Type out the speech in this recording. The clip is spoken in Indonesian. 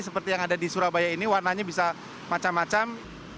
seperti yang ada di surabaya ini warnanya bisa macam macam